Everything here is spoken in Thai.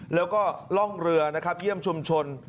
แล้วก็ล่องเรือนะครับเยี่ยมชุมชน